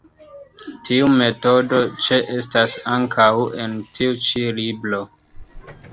Tiu metodo ĉeestas ankaŭ en tiu ĉi libro.